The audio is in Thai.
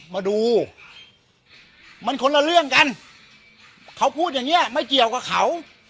มาดูมันคนละเรื่องกันเขาพูดอย่างเงี้ยไม่เกี่ยวกับเขา